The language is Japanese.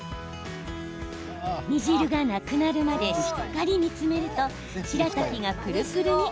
煮汁がなくなるまでしっかり煮詰めるとしらたきが、ぷるぷるに。